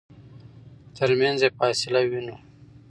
ترمنځ فاصله وينو.